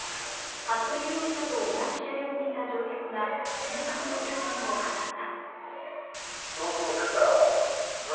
服部容疑者と同じ車両にいた乗客が緊迫の１０分を語った。